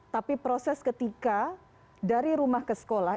tapi proses ketika dari rumah ke sekolah